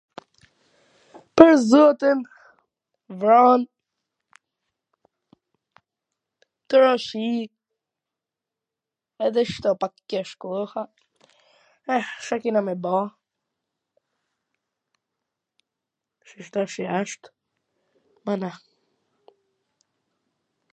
pwr zotin, vran, tu ra shi, edhe u fto pak ,,,, koha, eh, Ca kena me ba, ... asht, mana